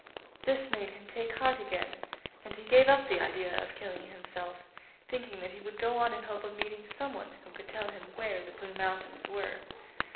This made him take heart again, and he gave up the idea of killing himself, thinking that he would go on in hope of meeting some one who could tell him where the Blue Mountains were.